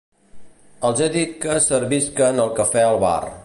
Els he dit que servisquen el café al bar.